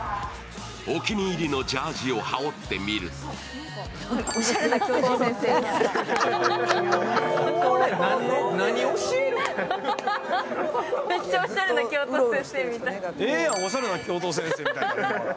お気に入りのジャージーを羽織ってみるとめっちゃおしゃれな教頭先生みたいな。